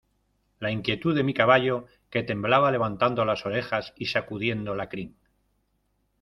la inquietud de mi caballo, que temblaba levantando las orejas y sacudiendo la crin